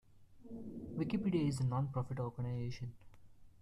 Wikipedia is a non-profit organization.